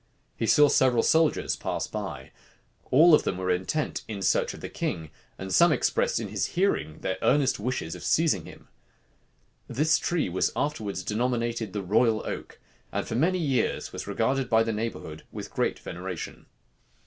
He saw several soldiers pass by. All of them were intent in search of the king; and some expressed in his hearing their earnest wishes of seizing him. This tree was afterwards denominated the royal oak, and for many years was regarded by the neighborhood with great veneration.